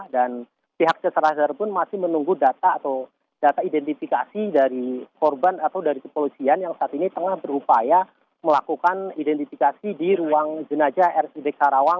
dan pihak jasara harja pun masih menunggu data atau data identifikasi dari korban atau dari kepolisian yang saat ini tengah berupaya melakukan identifikasi di ruang jenajah rcd sarawang